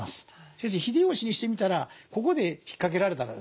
しかし秀吉にしてみたらここで引っ掛けられたらですね